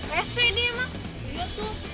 pesek dia emang